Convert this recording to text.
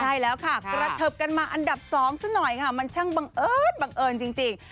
ใช่แล้วค่ะกระเทิบกันมาอันดับ๒ซักหน่อยมันช่างบังเอิญจริง